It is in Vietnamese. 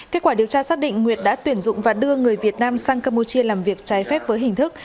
kết quả điều tra xác định nguyệt đã tuyển dụng và đưa người việt nam sang campuchia làm việc trái phép với hình thức